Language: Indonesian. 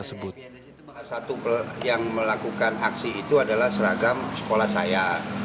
salah satu yang melakukan aksi itu adalah seragam sekolah saya